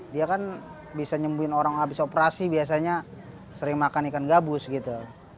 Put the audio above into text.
dia kan bisa nyembuhin orang habis operasi biasanya sering makan ikan gabus gitu